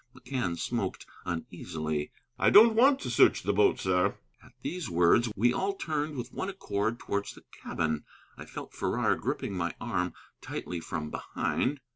McCann smoked uneasily. "I don't want to search the boat, sir." At these words we all turned with one accord towards the cabin. I felt Farrar gripping my arm tightly from behind.